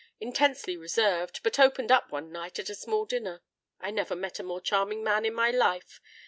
Intensely reserved, but opened up one night at a small dinner. I never met a more charming man in my life.